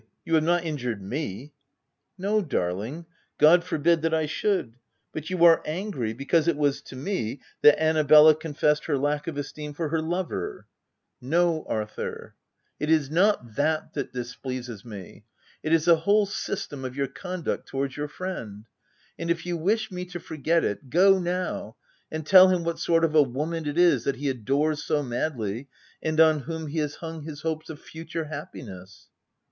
" You have not injured me." t( No, darling — God forbid that I should !— but you are angry, because it was to me that Annabella confessed her lack of esteem for her lover." OF WILDFELL HALL. 59 " No, Arthur, it is not that that displeases me : it is the whole system of your conduct to wards your friend ; and if you wish me to for get it, go, now, and tell him what sort of a woman it is, that he adores so madly, and on whom he has hung his hopes of future happi ness."